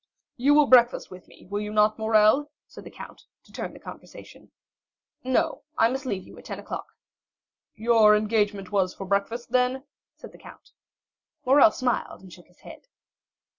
'" "You will breakfast with me, will you not, Morrel?" said the count, to turn the conversation. "No; I must leave you at ten o'clock." "Your engagement was for breakfast, then?" said the count. Morrel smiled, and shook his head.